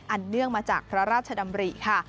เนื่องมาจากพระราชดำริค่ะ